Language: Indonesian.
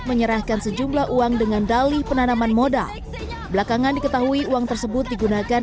menyerahkan sejumlah uang dengan dalih penanaman modal belakangan diketahui uang tersebut digunakan